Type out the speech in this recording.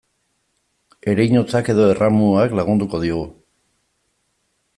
Ereinotzak edo erramuak lagunduko digu.